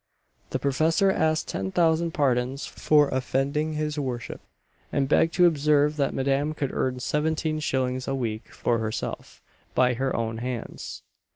The professor asked ten thousand pardons for offending his worship; and begged to observe that madame could earn seventeen shillings a week for herself, by her own hands.